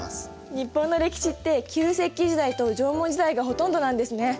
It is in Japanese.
日本の歴史って旧石器時代と縄文時代がほとんどなんですね！